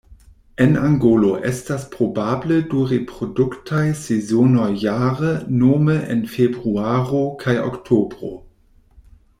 En Angolo estas probable du reproduktaj sezonoj jare nome en februaro kaj oktobro.